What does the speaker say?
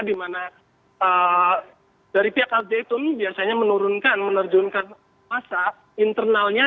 di mana dari pihak al zaitun biasanya menurunkan menerjunkan masa internalnya